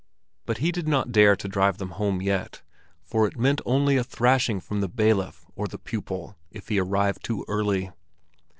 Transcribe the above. But he did not dare to drive them home yet, for it only meant a thrashing from the bailiff or the pupil if he arrived too early.